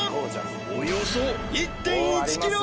およそ１．１キロ！